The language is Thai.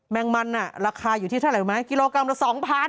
แมงมันราคาอยู่ที่เท่าไหร่ไหมกิโลกรัมละ๒๐๐บาท